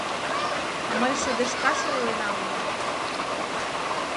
Мый шыдешкаш ойленам мо...